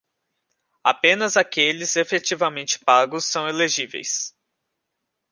Apenas aqueles efetivamente pagos são elegíveis.